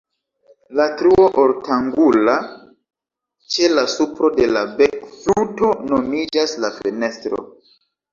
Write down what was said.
La truo ortangula ĉe la supro de la bekfluto nomiĝas la "fenestro".